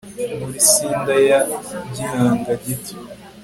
muri cinder ya gihanga gito